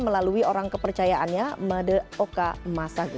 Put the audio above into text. melalui orang kepercayaannya madaoka masago